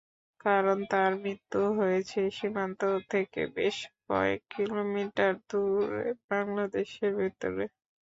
কারণ তাঁর মৃত্যু হয়েছে সীমান্ত থেকে বেশ কয়েক কিলোমিটার দূরে, বাংলাদেশের ভেতরে।